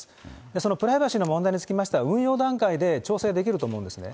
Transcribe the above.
そのプライバシーの問題につきましては、運用段階で調整できると思うんですね。